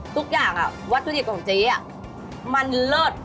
ทุกอย่างวัตถุดิบของเจ๊มันเลิศ